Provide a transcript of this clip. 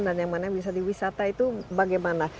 dan yang mana yang bisa diwisata itu bagaimana